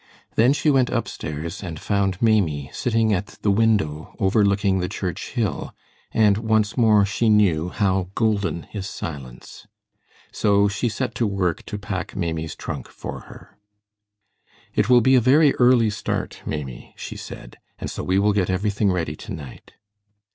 Then she went upstairs and found Maimie sitting at the window overlooking the church hill, and once more she knew how golden is silence. So she set to work to pack Maimie's trunk for her. "It will be a very early start, Maimie," she said, "and so we will get everything ready to night."